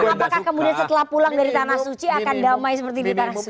apakah kemudian setelah pulang dari tanah suci akan damai seperti di tanah suci